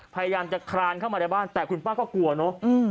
พยายามจะคลานเข้ามาในบ้านแต่คุณป้าก็กลัวเนอะ